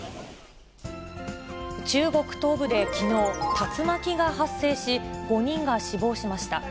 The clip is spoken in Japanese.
中国東部できのう、竜巻が発生し、５人が死亡しました。